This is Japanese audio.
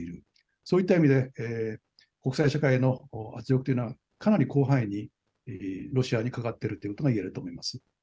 そういった意味で国際社会の圧力というのはかなり広範囲にロシアにかかっているということが言えると思います。